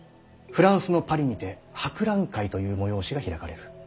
フランスのパリにて博覧会という催しが開かれる。